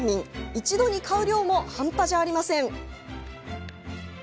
一度に買う量も半端じゃありません。